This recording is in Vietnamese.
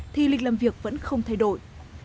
thì không thay đổi